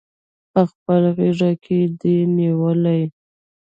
پخپل غیږ کې دی نیولي